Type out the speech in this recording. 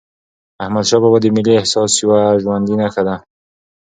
احمدشاه بابا د ملي احساس یوه ژوندي نښه وه.